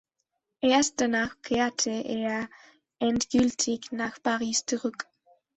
Erst danach kehrte er endgültig nach Paris zurück.